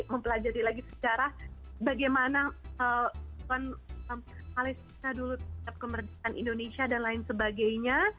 mempelajari lagi sejarah bagaimana palestina dulu terhadap kemerdekaan indonesia dan lain sebagainya